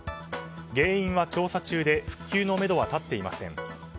原因は調査中で復旧のめどは立っていません。